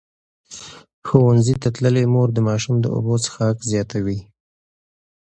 ښوونځې تللې مور د ماشوم د اوبو څښاک زیاتوي.